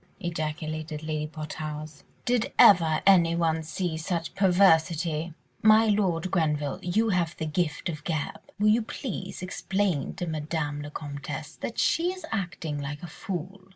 ejaculated Lady Portarles, "did ever anyone see such perversity? My Lord Grenville, you have the gift of the gab, will you please explain to Madame la Comtesse that she is acting like a fool.